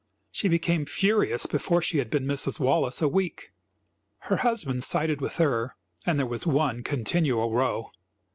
She became furious before she had been Mrs. Wallace a week. Her husband sided with her, and there was one continual row.